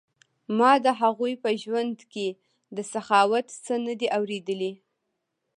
ما د هغوی په ژوند کې د سخاوت څه نه دي اوریدلي.